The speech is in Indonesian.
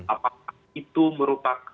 apakah itu merupakan